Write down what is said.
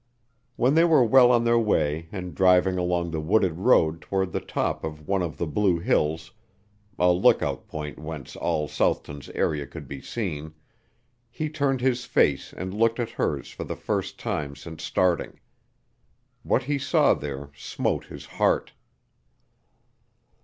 When they were well on their way and driving along the wooded road toward the top of one of the Blue Hills a lookout point whence all Southton's area could be seen he turned his face and looked at hers for the first time since starting. What he saw there smote his heart.